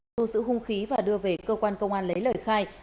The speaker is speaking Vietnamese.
thu sự hung khí và đưa về cơ quan công an lấy lời khai